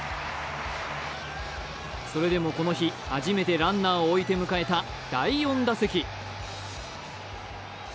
それでもこの日初めてランナーを置いて迎えた第４打席。